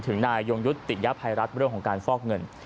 ถึงนายยงยุทธ์ติดยาพายรัฐเรื่องของการฟอกเงิน